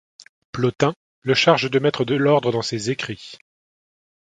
Plotin le charge de mettre de l'ordre dans ses écrits.